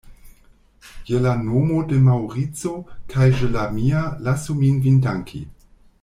Je la nomo de Maŭrico kaj je la mia, lasu min vin danki.